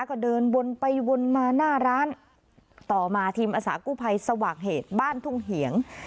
ก็เดินวนไปวนมาหน้าร้านต่อมาทีมอาสากู้ภัยสว่างเหตุบ้านทุ่งเหียง